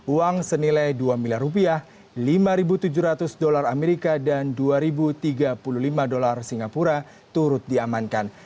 uang senilai dua miliar rupiah lima tujuh ratus dolar amerika dan dua tiga puluh lima dolar singapura turut diamankan